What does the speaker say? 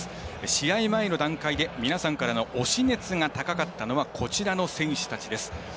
試合前の段階で皆さんからの推し熱が高かったのはこちらの選手たちです。